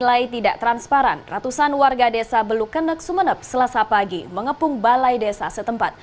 nilai tidak transparan ratusan warga desa belukenek sumeneb selasa pagi mengepung balai desa setempat